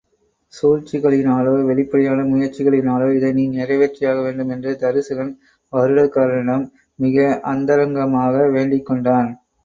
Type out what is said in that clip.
சூழ்ச்சிகளினாலோ, வெளிப்படையான முயற்சிகளினாலோ இதை நீ நிறைவேற்றியாக வேண்டும் என்று தருசகன் வருடகாரனிடம் மிக அந்தரங்கமாக வேண்டிக் கொண்டான்.